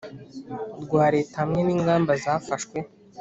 Rwa leta hamwe n ingamba zafashwe